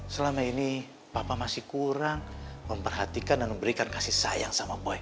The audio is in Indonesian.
selama ini papa masih kurang memperhatikan dan memberikan kasih sayang sama boe